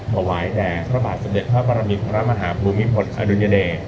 พระวายแดงพระบาทสมเด็จพระพลบินทรัพย์มหาบุมิพลอดุญเด